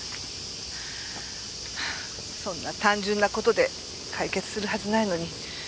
そんな単純な事で解決するはずないのに。